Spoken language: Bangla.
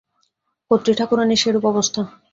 কর্ত্রী ঠাকুরানীর সেইরূপ অবস্থা।